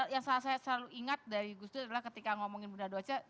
yang saya selalu ingat dari gus dur adalah ketika ngomongin bunda doce